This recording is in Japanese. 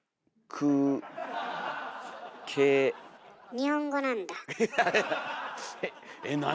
日本語なんだ。